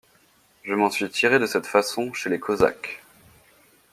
Je m'en suis tiré de cette façon chez les Cosaques.